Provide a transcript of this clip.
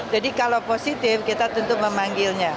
jadi kalau positif kita tentu memanggilnya